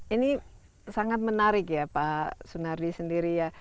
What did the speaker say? ini sangat menarik ya pak sunardi sendiri ya